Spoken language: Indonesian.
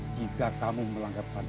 jika kamu melanggar pantangannya